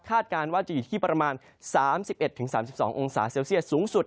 การว่าจะอยู่ที่ประมาณ๓๑๓๒องศาเซลเซียสสูงสุด